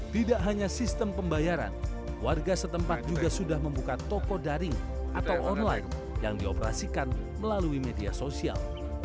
tidak hanya sistem pembayaran warga setempat juga sudah membuka toko daring atau online yang dioperasikan melalui media sosial